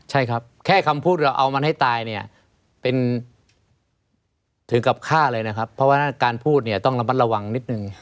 ใช่ครับแค่คำพูดเราเอามันให้ตายเนี่ยเป็นถึงกับฆ่าเลยนะครับเพราะว่าการพูดเนี่ยต้องระมัดระวังนิดนึง